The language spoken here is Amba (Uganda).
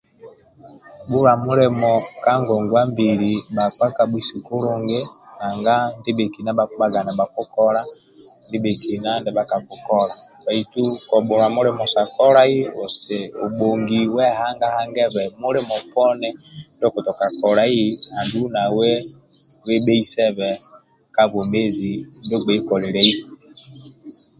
Bhulua mulimo ka ngongwa mbili bhakpa kabhuisi kulungi nanga ndibhetolo bhakibhaga nibhakikola ndibhetolo ndia bhakakikola bhaitu kobhulwa mulimo abhongi wehanga-hangebe mulimo poni ndio okutoka kolai andulu nawe webheisebe ka bwomezi ndio ogbei koliliaku